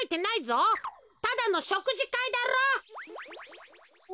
ただのしょくじかいだろう。